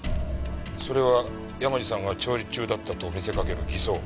それは山路さんが調理中だったと見せかける偽装。